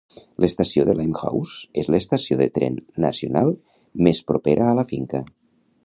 L'estació de Limehouse és l'estació de tren nacional més propera a la finca.